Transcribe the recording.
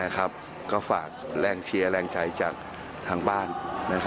ก็ฝากแรงเชียร์แรงใจจากทางบ้าน